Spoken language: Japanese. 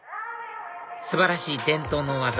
素晴らしい伝統の技